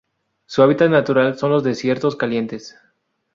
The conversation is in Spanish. Su hábitat natural son los desiertos calientes.